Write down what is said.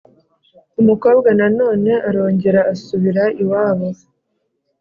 Umukobwa na none arongera asubira iwabo